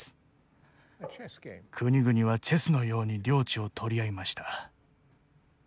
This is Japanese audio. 国々はチェスのように領地を取り合いました。